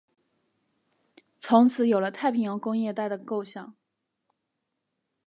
从此有了太平洋工业带的构想。